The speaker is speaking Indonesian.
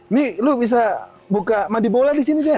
ini lo bisa buka mandi bola disini jar